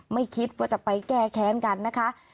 ไม่คิดว่าจะไปแก้แค้นกันนะคะ